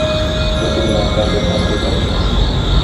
Votul va avea loc astăzi la prânz.